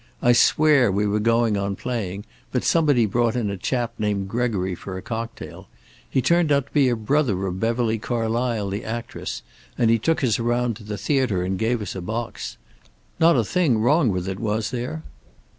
I swear we were going on playing, but somebody brought in a chap named Gregory for a cocktail. He turned out to be a brother of Beverly Carlysle, the actress, and he took us around to the theater and gave us a box. Not a thing wrong with it, was there?"